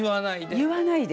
言わないで。